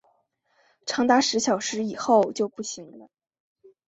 长达十小时以后就不行了